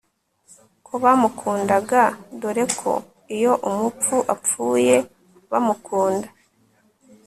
ko bamukundaga dore ko iyo umuntu apfuye bamukunda